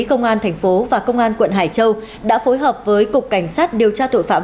công an thành phố và công an quận hải châu đã phối hợp với cục cảnh sát điều tra tội phạm